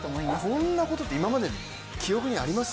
こんなことって今まで記憶にあります？